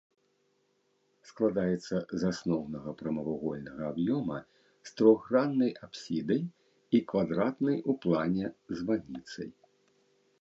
Складаецца з асноўнага прамавугольнага аб'ёма з трохграннай апсідай і квадратнай у плане званіцай.